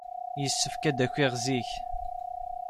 Yessefk ad d-akiɣ zik.